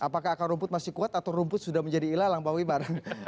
apakah akar rumput masih kuat atau rumput sudah menjadi ilalang pak wibar